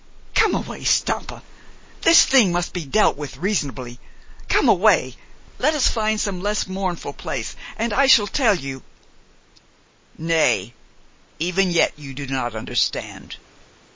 "Come away, Stampa! This thing must be dealt with reasonably. Come away! Let us find some less mournful place, and I shall tell you " "Nay, even yet you do not understand.